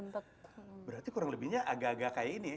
berarti kurang lebihnya agak agak kayak ini ya